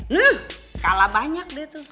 luh kalah banyak dia tuh